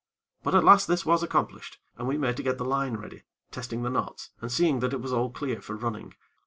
But at last this was accomplished, and we made to get the line ready, testing the knots, and seeing that it was all clear for running.